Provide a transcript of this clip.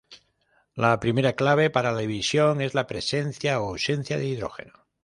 La primera clave para la división es la presencia o ausencia de hidrógeno.